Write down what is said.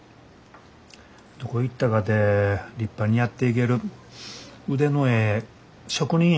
どこ行ったかて立派にやっていける腕のええ職人や。